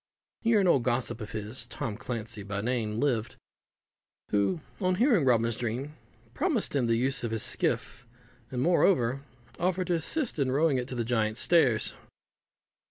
Here an old gossip of his (Tom Clancey by name) lived, who, on hearing Robin's dream, promised him the use of his skiff, and, moreover, offered to assist in rowing it to the Giant's Stairs.